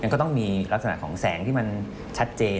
ก็ต้องมีลักษณะของแสงที่มันชัดเจน